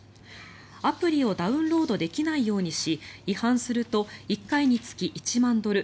アプリをダウンロードできないようにし違反すると１回につき１万ドル